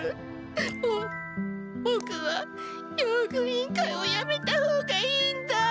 ボボクは用具委員会をやめたほうがいいんだ。